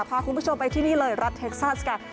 พาคุณผู้ชมไปที่นี่เลยรัฐเท็กซัสกัน